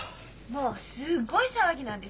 もうすっごい騒ぎなんですよ。